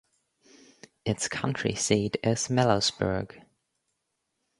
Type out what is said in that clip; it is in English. Its county seat is Millersburg.